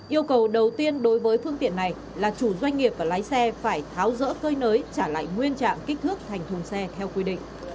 yêu cầu đầu tiên đối với phương tiện này là chủ doanh nghiệp và lái xe phải tháo rỡ cơi nới trả lại nguyên trạng kích thước thành thùng xe theo quy định